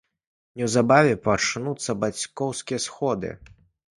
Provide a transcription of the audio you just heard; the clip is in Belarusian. Неўзабаве пачнуцца бацькоўскія сходы.